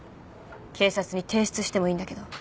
警察に提出してもいいんだけど。